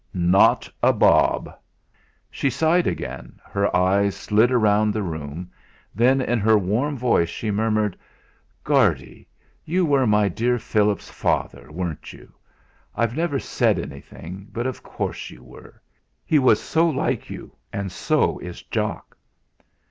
"Not a bob." She sighed again, her eyes slid round the room; then in her warm voice she murmured: "Guardy, you were my dear Philip's father, weren't you? I've never said anything; but of course you were. He was so like you, and so is Jock."